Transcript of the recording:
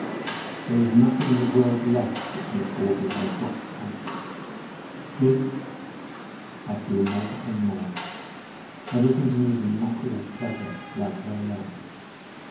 There is nothing in the world left that can afford me one drop of comfort—THIS I feel more and more. Everything is to me a mockery of pleasure, like her love.